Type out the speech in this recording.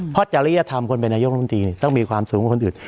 เพราะจริยธรรมคนเป็นนายกรมตรีต้องมีความสูงกว่าคนอื่น